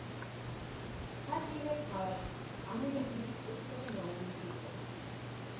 სატივე თავად ამირეჯიბების კუთვნილი მამული იყო.